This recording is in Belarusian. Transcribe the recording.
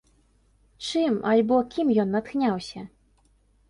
Чым альбо кім ён натхняўся?